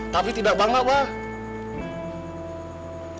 tapi tidak bangga abah